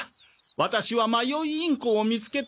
ワタシは迷いインコを見つけたのですが